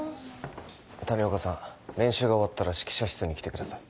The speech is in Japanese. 谷岡さん練習が終わったら指揮者室に来てください。